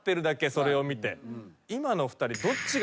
それを見て。